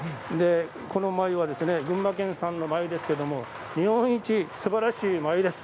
この繭は群馬県産の繭ですけれど日本一すばらしい繭です。